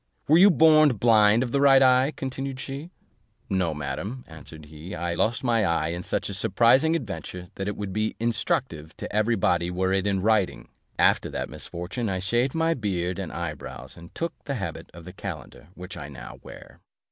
"Were you born blind of the right eye," continued she? "No, madam," answered he; "I lost my eye in such a surprising adventure, that it would be instructive to every body were it in writing: after that misfortune I shaved my beard and eyebrows, and took the habit of a calender which I now wear."